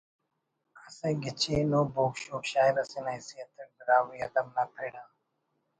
اسہ گچین ءُ بوگ شوگ شاعر اسے نا حیثیت اٹ براہوئی ادب نا پڑ آ